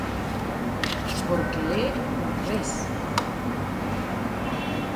¿Por que é ao revés?